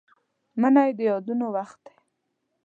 منی د یادونو وخت دی